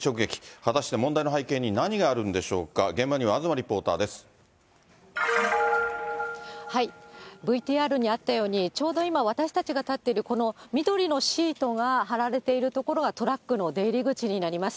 果たして問題の背景に何があるんでしょうか、ＶＴＲにあったように、ちょうど今、私が立っているこの緑のシートが張られている所が、トラックの出入り口になります。